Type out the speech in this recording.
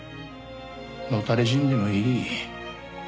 野垂れ死んでもいい。